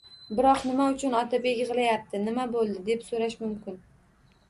Biroq “Nima uchun Otabek yig‘layapti? Nima bo‘ldi?”, deb so‘rash mumkin